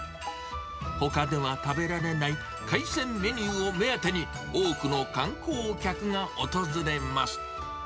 ほかでは食べられない海鮮メニューを目当てに、多くの観光客が訪れます。